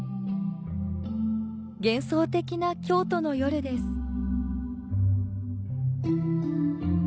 幻想的な京都の夜です。